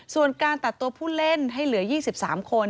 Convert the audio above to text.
ส่วนการตัดตัวผู้เล่นให้เหลือ๒๓คน